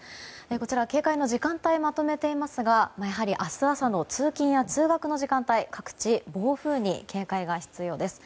こちら、警戒の時間帯をまとめていますが明日朝の通勤や通学の時間帯各地、暴風に警戒が必要です。